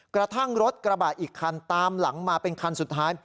กระทั่งรถกระบะอีกคันตามหลังมาเป็นคันสุดท้าย